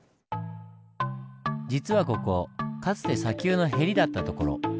実はここかつて砂丘のへりだった所。